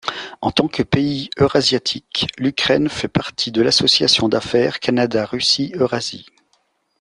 En tant que pays Eurasiatique, l'Ukraine fait partie de l'Association d'affaires Canada-Russie-Eurasie.